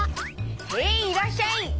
へいいらっしゃい！